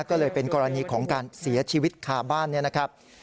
ก็เลยเป็นกรณีของการเสียชีวิตคาบ้านเนี่ยนะครับ